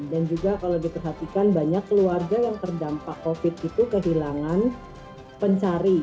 dan juga kalau diperhatikan banyak keluarga yang terdampak covid itu kehilangan pencari